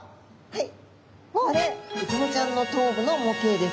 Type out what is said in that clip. はい。